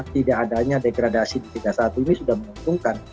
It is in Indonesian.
tidak adanya degradasi di liga satu ini sudah menguntungkan